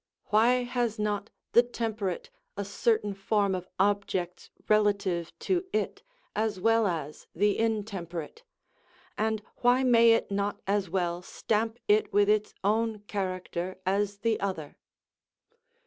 Why has not the temperate a certain form of objects relative to it, as well as the intemperate? and why may it not as well stamp it with its own character as the other?